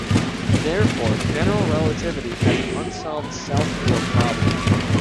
Therefore, general relativity has an unsolved self-field problem.